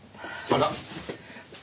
あら？